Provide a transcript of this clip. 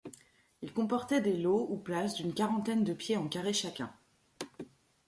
Il comportait des lots ou places d’une quarantaine de pieds en carré chacun.